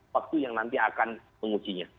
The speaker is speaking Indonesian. waktu yang nanti akan mengujinya